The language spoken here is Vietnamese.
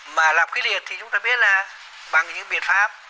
mà làm cái liệt thì chúng ta biết là bằng những biện pháp